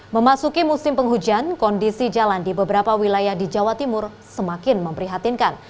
memasuki musim penghujan kondisi jalan di beberapa wilayah di jawa timur semakin memprihatinkan